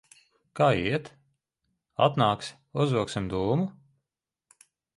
Kā iet? Atnāksi, uzvilksim dūmu?